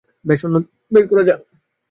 বেশ, অন্যদের বের করা যাক।